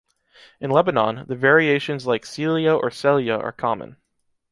In Lebanon, the variations like Célia or Célya are common.